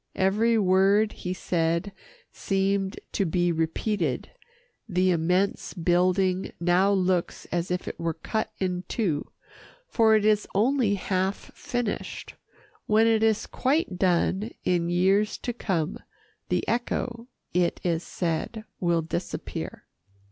Every word he said seemed to be repeated. The immense building now looks as if it were cut in two, for it is only half finished. When it is quite done in years to come, the echo, it is said, will disappear.